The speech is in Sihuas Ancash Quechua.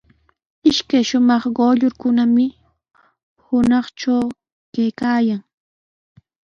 Ishkay shumaq quyllurkunami hunaqtraw kaykaayan.